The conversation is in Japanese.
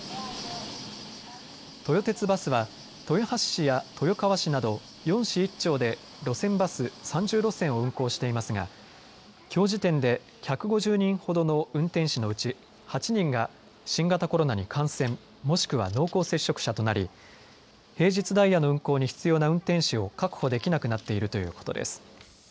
豊鉄バスは豊橋市や豊川市など４市１町で路線バス３０路線を運行していますがきょう時点で１５０人ほどの運転手のうち８人が新型コロナに感染もしくは濃厚接触者となり平日ダイヤの運行に必要な運転士を確保できなくなっているということです。